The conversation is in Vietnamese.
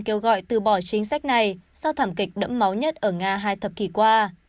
kêu gọi từ bỏ chính sách này sau thảm kịch đẫm máu nhất ở nga hai thập kỷ qua